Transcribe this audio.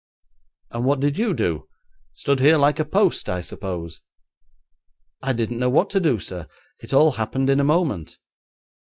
'And what did you do? Stood here like a post, I suppose?' 'I didn't know what to do, sir. It all happened in a moment.'